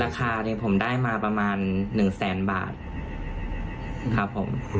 ราคาผมได้มาประมาณ๑๐๐๐๐๐บาทครับผม